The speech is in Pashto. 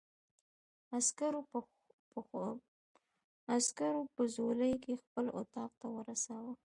عسکرو په ځولۍ کې خپل اتاق ته ورساوه.